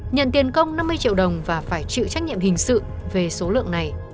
nhận tiền công năm mươi triệu đồng và phải chịu trách nhiệm hình sự về số lượng này